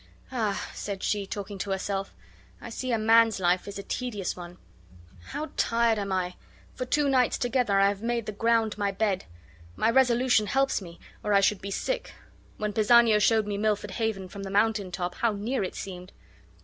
"Ah," said she, talking to herself, "I see a man's life is a tedious one. How tired am I! For two nights together I have made the ground my bed. My resolution helps me, or I should be sick. When Pisanio showed me Milford Haven from the mountain top, how near it seemed!"